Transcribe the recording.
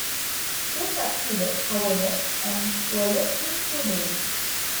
They succeeded, however, and were left with two babies.